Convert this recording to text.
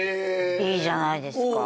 いいじゃないですか。